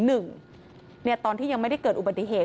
ตอนที่ยังไม่ได้เกิดอุบัติเหตุ